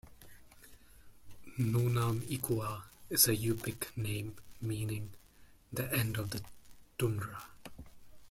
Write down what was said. "Nunam Iqua" is a Yupik name meaning "the end of the tundra".